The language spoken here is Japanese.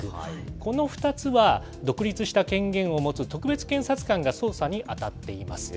この２つは、独立した権限を持つ特別検察官が捜査に当たっています。